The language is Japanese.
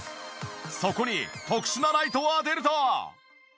そこに特殊なライトを当てると。